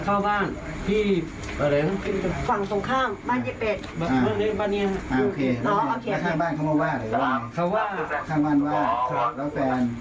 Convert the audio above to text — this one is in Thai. เขาว่าข้างบ้านว่าแล้วแฟน